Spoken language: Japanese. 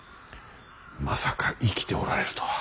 まさか生きておられるとは。